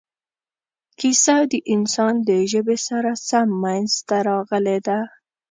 کیسه د انسان د ژبې سره سم منځته راغلې ده.